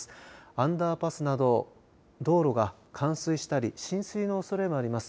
アンダーパスなど道路が冠水したり浸水のおそれもあります。